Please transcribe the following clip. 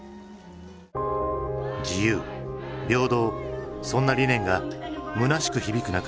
自由平等そんな理念がむなしく響く中